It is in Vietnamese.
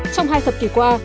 trong hai thập kỷ qua